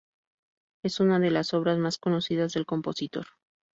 Es una de las obras más conocidas del compositor.